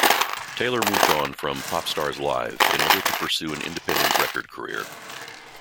Taylor moved on from "Popstars Live" in order to pursue an independent record career.